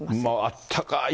あったかい